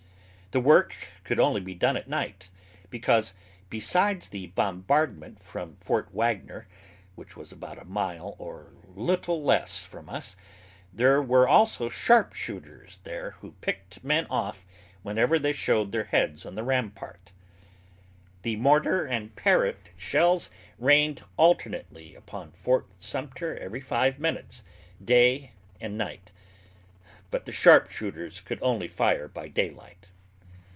The work could only be done at night, because, besides the bombardment from Fort Wagner which was about a mile or little less from us, there were also sharp shooters there who picked men off whenever they showed their heads on the rampart. The mortar and parrot shells rained alternately upon Fort Sumter every five minutes, day and night, but the sharp shooters could only fire by day light.